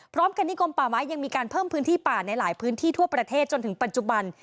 พร้อมกันที่กรมป่าไม้ยังมีการเพิ่มพื้นที่ป่าในหลายพื้นที่ทั่วประเทศจนถึงปัจจุบัน